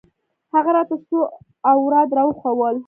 هغه راته څو اوراد راوښوول.